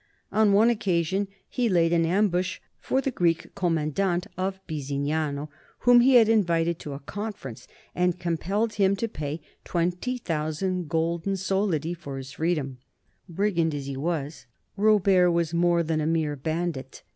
On one occasion he laid an ambush for the Greek commandant of Bisignano whom he had invited to a conference, and compelled him to pay twenty thousand golden solidi for his freedom. Brigand as he was, Rob ert was more than a mere bandit.